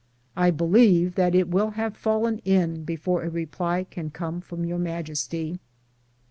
I believe that it will have fallen in before a reply can come from Your Majesty.